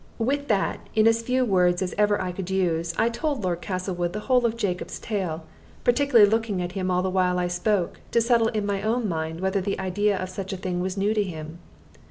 With that, in as few words as ever I could use, I told Lord Castlewood the whole of Jacob's tale, particularly looking at him all the while I spoke, to settle in my own mind whether the idea of such a thing was new to him.